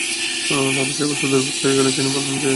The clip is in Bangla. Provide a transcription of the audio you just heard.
তারপর সে অবস্থা দূরীভূত হয়ে গেলে তিনি বললেন, হে যায়েদ।